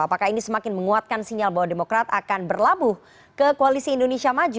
apakah ini semakin menguatkan sinyal bahwa demokrat akan berlabuh ke koalisi indonesia maju